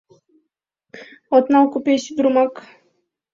От нал купесь ӱдырымак!